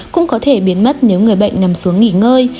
cũng có thể biến mất nếu người bệnh nằm xuống nghỉ ngơi